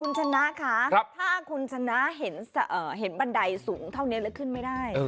คุณชนะคะถ้าคุณชนะเห็นบันไดสูงเท่านี้แล้วขึ้นไม่ได้